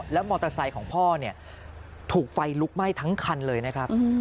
มอเตอร์ไซค์ของพ่อเนี่ยถูกไฟลุกไหม้ทั้งคันเลยนะครับ